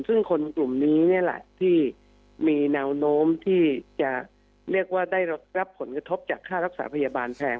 ซึ่งคนกลุ่มนี้นี่แหละที่มีแนวโน้มที่จะเรียกว่าได้รับผลกระทบจากค่ารักษาพยาบาลแพง